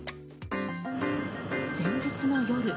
前日の夜。